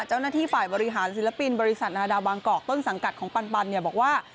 เจ้าหน้าที่ฝ่ายบริหารศิลปินบริษัทนาดาบางกอกต้นสังกัดของปันเนี่ยบอกว่า